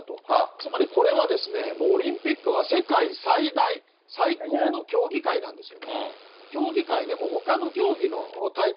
つまりこれは、もうオリンピックは世界最大、最高の競技会なんですよ。